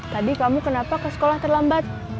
tadi kamu kenapa ke sekolah terlambat